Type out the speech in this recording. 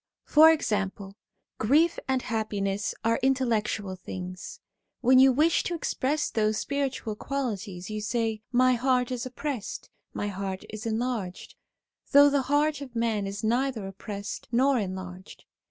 For example, grief and happiness are intellectual things ; when you wish to express those spiritual qualities you say :' My heart is oppressed ; my heart is enlarged '; though the heart of man is neither oppressed nor enlarged.